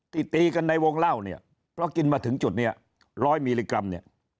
ตีกันในวงเล่าเนี่ยเพราะกินมาถึงจุดนี้ร้อยมิลลิกรัมเนี่ย